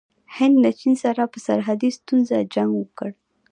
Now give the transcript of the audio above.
هند له چین سره په سرحدي ستونزه جنګ وکړ.